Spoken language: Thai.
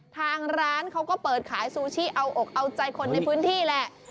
ทางร้านเขาก็เปิดขายซูชิเอาอกเอาใจคนในพื้นที่แหละ